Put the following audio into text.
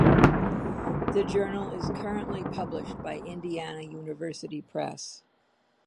The journal is currently published by Indiana University Press.